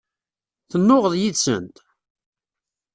Tennuɣeḍ yid-sent?